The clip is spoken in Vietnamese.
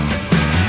cảm ơn bạn